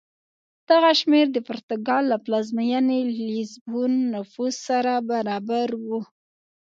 دغه شمېر د پرتګال له پلازمېنې لېزبون نفوس سره برابر و.